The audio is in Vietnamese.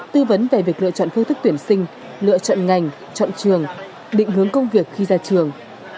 tư vấn về việc lựa chọn phương thức tuyển sinh lựa chọn ngành chọn trường định hướng công việc khi ra trường